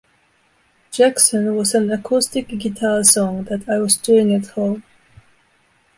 Jackson' was an acoustic guitar song that I was doing at home.